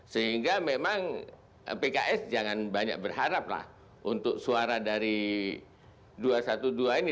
sehingga memang pks jangan banyak berharap lah untuk suara dari dua ratus dua belas ini